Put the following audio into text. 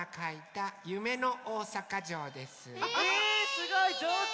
すごいじょうず！